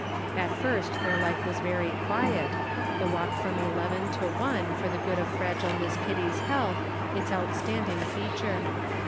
At first their life was very quiet, the walk from eleven to one for the good of fragile Miss Kitty's health its outstanding feature.